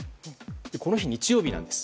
この日、日曜日なんです。